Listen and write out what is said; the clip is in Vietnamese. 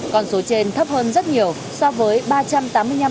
còn số trên thấp hơn rất nhiều so với ba trăm tám mươi năm doanh nghiệp